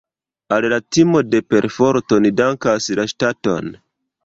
Al la timo de perforto ni dankas la ŝtaton.